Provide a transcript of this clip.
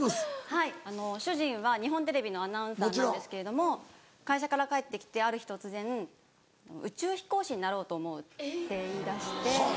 はい主人は日本テレビのアナウンサーなんですけれども会社から帰ってきてある日突然「宇宙飛行士になろうと思う」って言い出して。